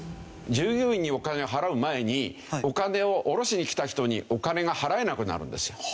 従業員にお金を払う前にお金をおろしに来た人にお金が払えなくなるんですよ。